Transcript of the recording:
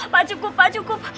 pak cukup pak cukup